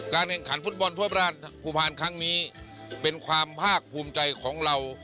แห่งขันฟุตบอลทั่วภูพาลครั้งนี้เป็นความภาคภูมิใจของเรา